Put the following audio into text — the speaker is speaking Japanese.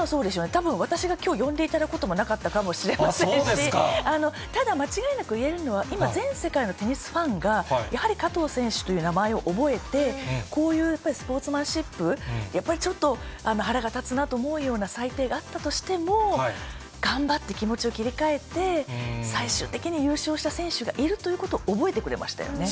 たぶん、私がきょう、呼んでいただくこともなかったかもしれませんし、ただ間違いなくいえるのは、今、全世界のテニスファンが、やはり加藤選手という名前を覚えて、こういうスポーツマンシップ、やっぱりちょっと腹が立つなと思うような裁定があったとしても、頑張って気持ちを切り替えて、最終的に優勝した選手がいるということを覚えてくれましたよね。